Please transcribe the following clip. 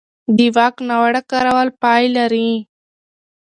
د واک ناوړه کارول پای لري